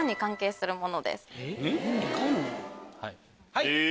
はい！